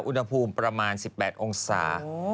อุณหภูมิประมาณ๑๘องศา